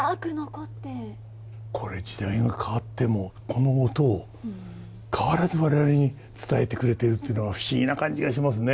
これ時代が変わってもこの音を変わらず我々に伝えてくれているっていうのは不思議な感じがしますね。